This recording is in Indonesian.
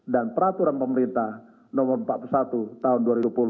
dan peraturan pemerintah no empat puluh satu tahun dua ribu dua puluh